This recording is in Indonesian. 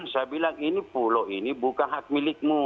saya bilang ini pulau ini bukan hak milikmu